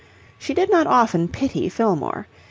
She did not often pity Fillmore.